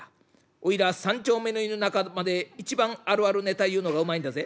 おいら３丁目の犬仲間で一番あるあるネタ言うのがうまいんだぜ」。